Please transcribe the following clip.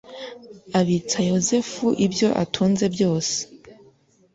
Abitsa yosefu ibyo atunze byose